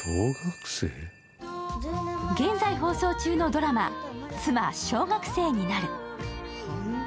現在放送中のドラマ「妻、小学生になる」。